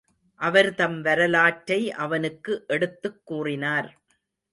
அவர் தம் வரலாற்றை அவனுக்கு எடுத்துக் கூறினார்.